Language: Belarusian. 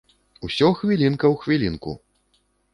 Усё хвілінка ў хвілінку!